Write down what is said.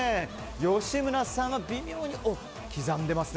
吉村さんが微妙に刻んでますね